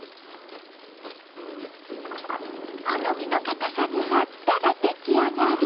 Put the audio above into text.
好みのかたさになったら出来上がり。